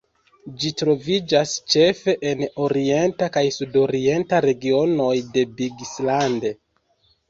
Ĝi troviĝas ĉefe en orienta kaj sudorienta regionoj de Big Island.